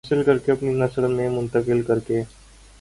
حاصل کر کے اپنی نسل میں منتقل کر کے